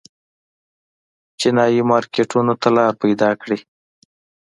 چینايي مارکېټونو ته لار پیدا کړي.